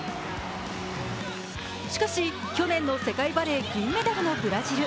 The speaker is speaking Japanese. しかし、去年の世界バレー銀メダルのブラジル。